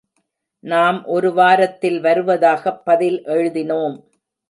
நாம் ஒரு வாரத்தில் வருவதாகப் பதில் எழுதினோம்.